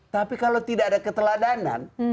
tapi kalau tidak ada keteladanan